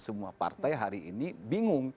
semua partai hari ini bingung